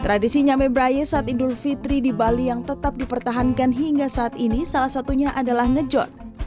tradisi nyame braye saat idul fitri di bali yang tetap dipertahankan hingga saat ini salah satunya adalah ngejot